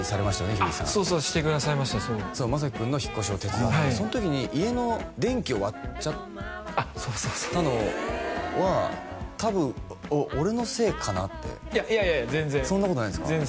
ひゅーいさんそうそうしてくださいました将生くんの引っ越しを手伝ってそんときに家の電気を割っちゃったのはたぶん俺のせいかなっていやいや全然全然そんなことないですか